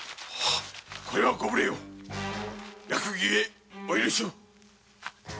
これはご無礼を役儀ゆえお許しを。